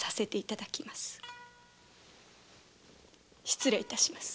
失礼いたします。